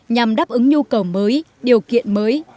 nhằm đáp ứng nhu cầu mới điều kiện mới